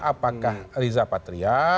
apakah riza patria